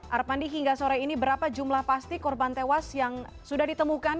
arpandi hingga sore ini berapa jumlah pasti korban tewas yang sudah ditemukan